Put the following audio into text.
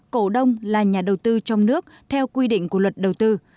cổ đông là nhà đầu tư trong nước theo quy định của luật đầu tư